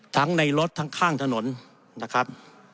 ทั้งในรถทั้งข้างถนนนะครับ